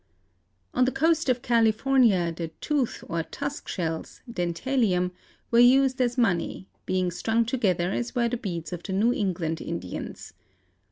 On the coast of California the tooth or tusk shells, Dentalium, were used as money, being strung together as were the beads of the New England Indians.